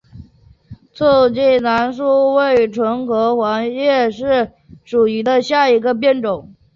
短促京黄芩为唇形科黄芩属下的一个变种。